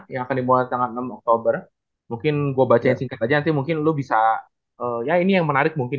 yang akan dibuat tanggal enam oktober mungkin gua baca aja mungkin lu bisa ya ini yang menarik mungkin